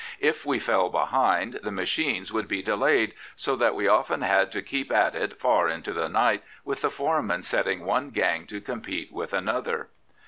If we fell behind, the machines would be delayed, so that we often had to keep at it far into the night, with the foreman setting one gang to compete with another.